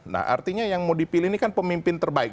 nah artinya yang mau dipilih ini kan pemimpin terbaik